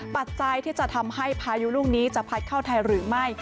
ปัจจัยที่จะทำให้พายุลูกนี้จะพัดเข้าไทยหรือไม่